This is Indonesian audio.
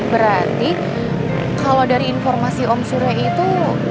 berarti kalau dari informasi om sure itu